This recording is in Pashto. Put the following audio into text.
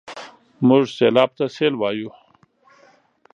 موږ سېلاب ته سېل وايو.